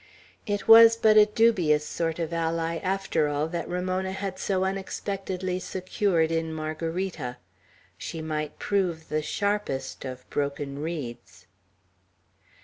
It was but a dubious sort of ally, after all, that Ramona had so unexpectedly secured in Margarita. She might prove the sharpest of broken reeds.